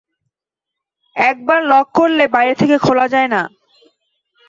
একবার লক করলে বাইরে থেকে খোলা যায় না।